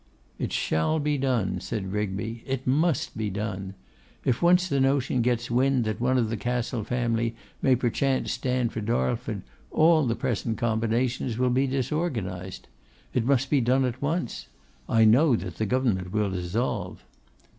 'It shall be done,' said Rigby; 'it must be done. If once the notion gets wind that one of the Castle family may perchance stand for Darlford, all the present combinations will be disorganised. It must be done at once. I know that the Government will dissolve.